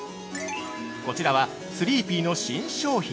◆こちらはスリーピーの新商品！